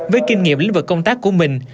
với kinh nghiệm lĩnh vực công tác của mình